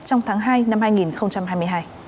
trong tháng hai năm hai nghìn hai mươi hai